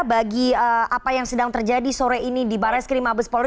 bagi apa yang sedang terjadi sore ini di barres krim mabes polri